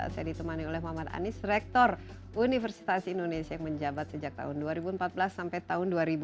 saya ditemani oleh muhammad anies rektor universitas indonesia yang menjabat sejak tahun dua ribu empat belas sampai tahun dua ribu lima belas